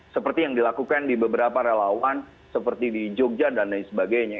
seperti yang dilakukan di beberapa relawan seperti di jogja dan lain sebagainya